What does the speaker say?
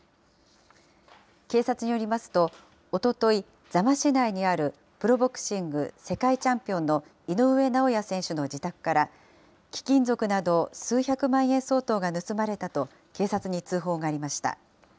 警察によりますと、おととい、座間市内にあるプロボクシング世界チャンピオンの井上尚弥選手の自宅から、貴金属など数百万円相当が盗まれたと、警察に通報がありました。